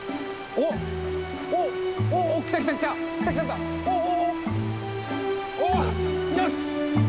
おっよし！